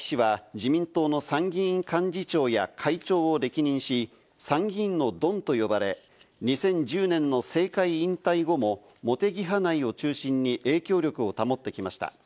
青木氏は自民党の参議院幹事長や会長を歴任し、参議院のドンと呼ばれ、２０１０年の政界引退後も茂木派内を中心に影響力を保ってきました。